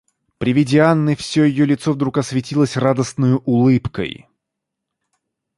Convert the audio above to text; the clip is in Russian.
При виде Анны всё ее лицо вдруг осветилось радостною улыбкой.